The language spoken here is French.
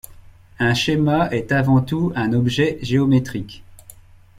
Un schéma est avant tout un objet géométrique.